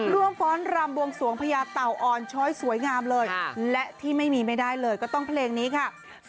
ฟ้อนรำบวงสวงพญาเต่าอ่อนช้อยสวยงามเลยและที่ไม่มีไม่ได้เลยก็ต้องเพลงนี้ค่ะ